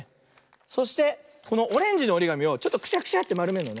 そしてこのオレンジのおりがみをちょっとクシャクシャってまるめるの。